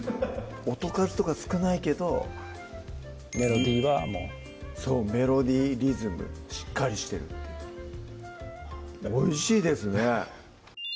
音数とか少ないけどメロディーはもうそうメロディー・リズムしっかりしてるっていうおいしいですね